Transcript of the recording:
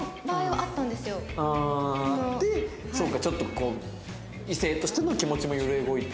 あああってそうかちょっとこう異性としての気持ちも揺れ動いてる。